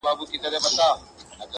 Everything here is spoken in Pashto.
• زه له فطرته عاشقي کوومه ښه کوومه..